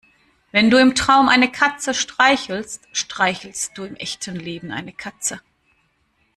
Wenn du im Traum eine Katze streichelst, streichelst du im echten Leben eine Katze.